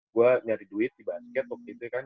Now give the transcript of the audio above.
gue nyari duit di basket waktu itu kan